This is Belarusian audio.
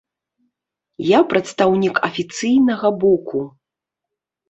Я прадстаўнік афіцыйнага боку.